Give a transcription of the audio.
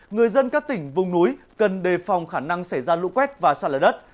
người dân các tỉnh vùng núi cần đề phòng khả năng xảy ra lũ quét và sạt lở đất